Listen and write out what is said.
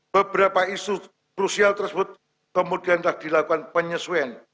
beberapa isu krusial tersebut kemudian telah dilakukan penyesuaian